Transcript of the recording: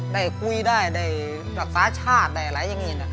ได้คุยได้ได้รับสร้างชาติได้หลายอย่างเงียน